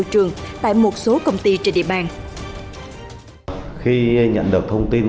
trở tại nhà công ty ông biển